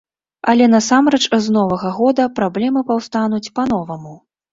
Але насамрэч з новага года праблемы паўстануць па-новаму.